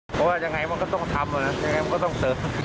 เพราะว่ายังไงมันก็ต้องทำยังไงมันก็ต้องเสิร์ฟ